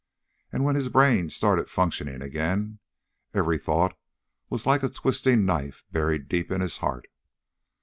And when his brain started functioning again, every thought was like a twisting knife buried deep in his heart.